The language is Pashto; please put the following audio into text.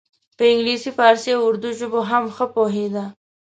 په انګلیسي پارسي او اردو ژبو هم ښه پوهیده.